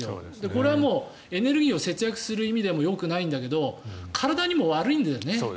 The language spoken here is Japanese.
これはもうエネルギーを節約する意味でもよくないんだけど体にも悪いんだよね。